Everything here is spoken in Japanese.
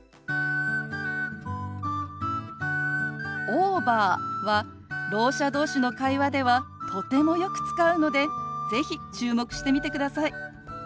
「オーバー」はろう者同士の会話ではとてもよく使うので是非注目してみてください。